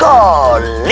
iya ini berkesan urus